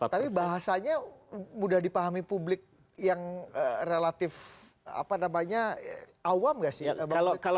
tapi bahasanya mudah dipahami publik yang relatif awam gak sih bang